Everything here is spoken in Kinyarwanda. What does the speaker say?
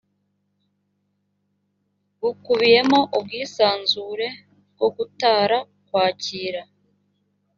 bukubiyemo ubwisanzure bwo gutara kwakira